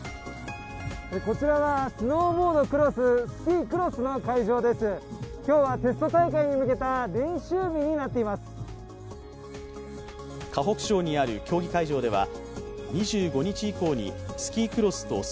こちらはスノーボードスキークロスの会場です。